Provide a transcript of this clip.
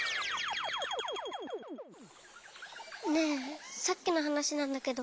ねえさっきのはなしなんだけど。